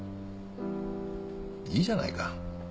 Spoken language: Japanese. いいじゃないか。